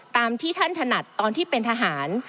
ตามที่ท่านถนัดตอนที่เป็นทหาร